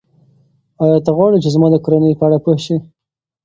ایا ته غواړې چې زما د کورنۍ په اړه پوه شې؟